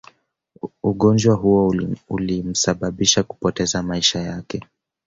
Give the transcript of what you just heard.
Ugonjwa huo ulimsababisha kupoteza maisha yake